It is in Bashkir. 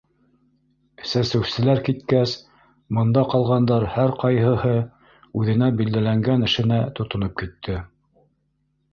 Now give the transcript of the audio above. Сәсеүселәр киткәс, бында ҡалғандар һәр ҡайһыһы үҙенә билдәләнгән эшенә тотоноп китте.